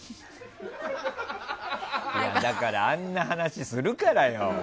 いやだからあんな話するからよ。